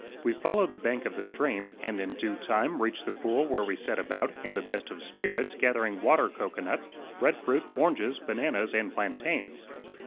We followed the bank of the stream and in due time reached the pool where we set about, in the best of spirits, gathering water cocoanuts, bread fruit, oranges, bananas and plantains.